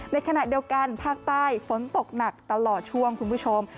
ในขณะเดียวกันภาคใต้ฝนตกหนักตลอดช่วงคุณผู้ชม